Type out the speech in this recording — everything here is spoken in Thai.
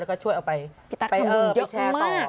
แล้วก็ช่วยเอาไปแชร์ต่อ